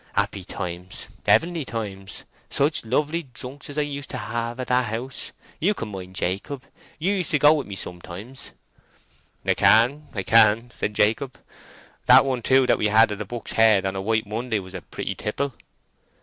Happy times! Heavenly times! Such lovely drunks as I used to have at that house! You can mind, Jacob? You used to go wi' me sometimes." "I can—I can," said Jacob. "That one, too, that we had at Buck's Head on a White Monday was a pretty tipple."